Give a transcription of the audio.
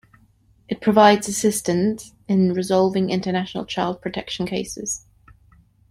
It provides assistance in resolving international child protection cases.